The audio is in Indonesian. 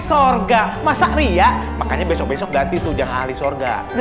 syurga masa ria makanya besok besok dati tujang ahli syurga ahli gigi